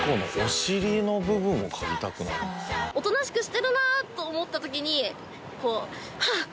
おとなしくしてるなと思った時にこうハアッ！